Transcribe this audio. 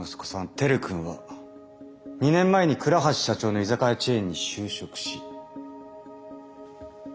輝君は２年前に倉橋社長の居酒屋チェーンに就職し。